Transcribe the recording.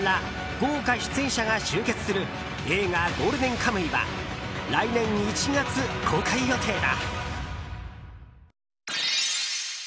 豪華出演者が集結する映画「ゴールデンカムイ」は来年１月公開予定だ。